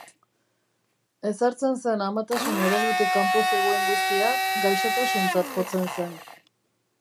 Ezartzen zen amatasun-eredutik kanpo zegoen guztia gaixotasuntzat jotzen zen.